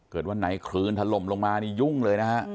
เกิดวันไหนคลืนถล่มลงมายุ่งเลยนะฮะ